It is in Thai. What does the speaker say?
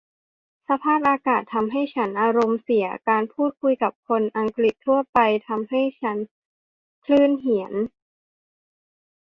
สภาพอากาศทำให้ฉันอารมณ์เสีย การพูดคุยกับคนอังกฤษทั่วไปทำให้ฉันคลื่นเหียน